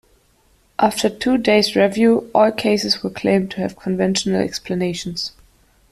After two days' review, all cases were claimed to have conventional explanations.